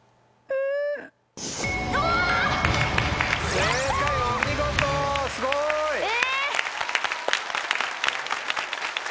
正解お見事すごい。え！